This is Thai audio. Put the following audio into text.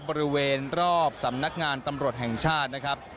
บริเวณรอบสำนักงานตำรวจแห่งชาตินะครับ